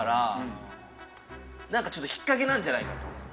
何かちょっと引っ掛けなんじゃないかと。